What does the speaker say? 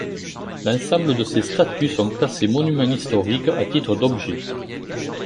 L'ensemble de ces statues sont classées monuments historiques à titre d'objet.